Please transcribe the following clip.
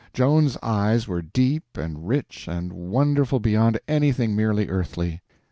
Joan's eyes were deep and rich and wonderful beyond anything merely earthly.